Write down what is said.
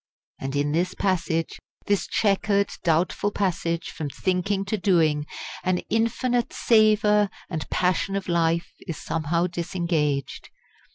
And in this passage, this chequered, doubtful passage from thinking to doing, an infinite savour and passion of life is somehow disengaged.